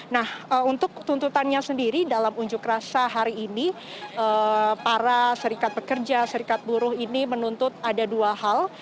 nah untuk tuntutannya sendiri dalam unjuk rasa hari ini para serikat pekerja serikat buruh ini menuntut ada dua hal